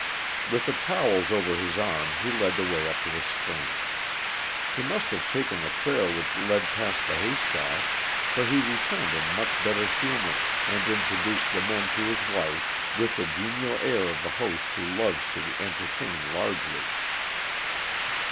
With the towels over his arm, he led the way up to the spring. He must have taken the trail which led past the haystack, for he returned in much better humor, and introduced the men to his wife with the genial air of a host who loves to entertain largely.